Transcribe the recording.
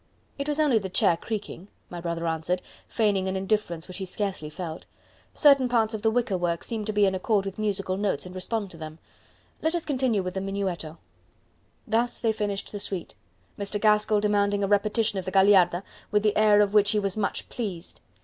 "It was only the chair creaking," my brother answered, feigning an indifference which he scarcely felt. "Certain parts of the wicker work seem to be in accord with musical notes and respond to them; let us continue with the Minuetto." Thus they finished the suite, Mr. Gaskell demanding a repetition of the Gagliarda, with the air of which he was much pleased.